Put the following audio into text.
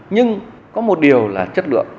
nhưng có một điều là chất lượng